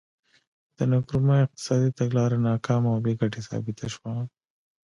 د نکرومه اقتصادي تګلاره ناکامه او بې ګټې ثابته شوه.